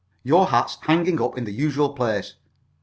Your hat's hanging up in the usual place.